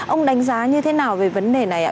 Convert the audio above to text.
ông đánh giá như thế nào về vấn đề này ạ